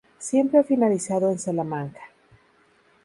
Siempre ha finalizado en Salamanca.